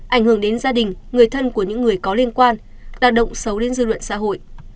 ảnh hưởng đến gia đình người thân của những người có liên quan đạt động xấu đến dư luận xã hội